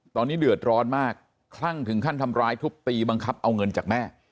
ตอนนี้เดือดร้อนมากคลั่งถึงขั้นทำร้ายทุบตีบังคับเอาเงินจากแม่